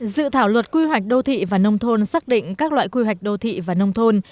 dự thảo luật quy hoạch đô thị và nông thôn xác định các loại quy hoạch đô thị và nông thôn